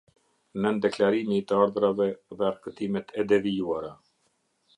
Nën-deklarimi i të ardhurave dhe arkëtimet e devijuara.